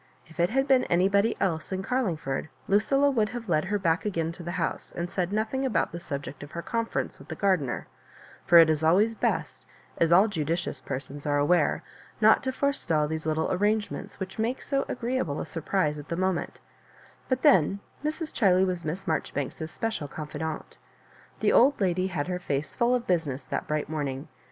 If it had been anybody else in Carlingford, Lucilla would have led her back again to the house, and said nothing about the subject of her conference with the garden er; for it is always best, as all judicious persons are aware, not to forestall these little arrange ments which make so agreeable a suhprise at the moment ; but then Mrs. Chiley was Miss Marjo ribanks's special confidant The old lady had her face full of business that bright morning.